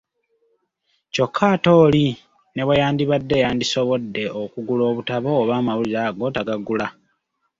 Kyokka ate oli ne bwe yandibadde yandisobodde okugula obutabo oba amawulire ago tagagula.